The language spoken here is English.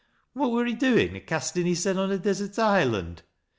What wur he doin' a casting hissen on a desert island?